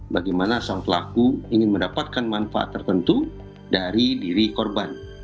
bagaimana sang pelaku ingin mendapatkan manfaat tertentu dari diri korban